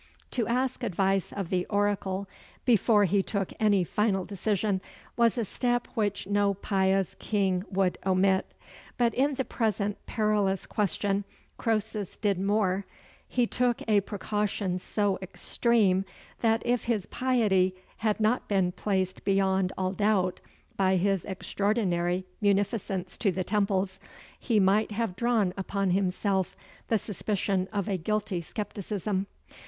To ask advice of the oracle, before he took any final decision, was a step which no pious king would omit. But in the present perilous question, Croesus did more he took a precaution so extreme, that if his piety had not been placed beyond all doubt by his extraordinary munificence to the temples, he might have drawn upon himself the suspicion of a guilty scepticism.